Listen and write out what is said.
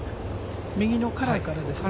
右のカラーからですね。